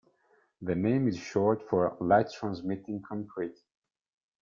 The name is short for "light-transmitting concrete".